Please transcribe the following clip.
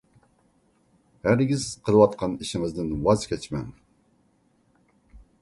ھەرگىز قىلىۋاتقان ئىشىڭىزدىن ۋاز كەچمەڭ.